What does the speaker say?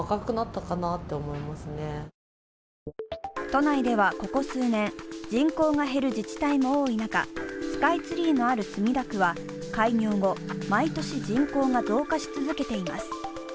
都内ではここ数年、人口が減る自治体も多い中、スカイツリーのある墨田区は開業後、毎年、人口が増加し続けています。